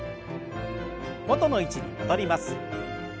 元の位置に戻ります。